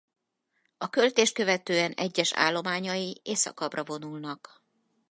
A költést követően egyes állományai északabbra vonulnak.